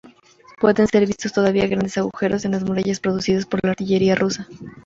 Pueden ser vistos todavía grandes agujeros en las murallas producidos por la artillería rusa.